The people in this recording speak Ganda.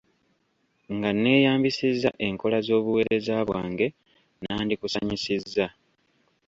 Nga neeyambisizza enkola z'obuweereza bwange, nandikusanyusizza.